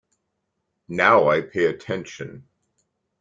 Now I pay attention.